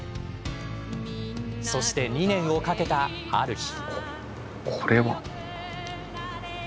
そして２年をかけた、ある日。